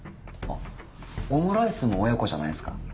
あっオムライスも親子じゃないすか？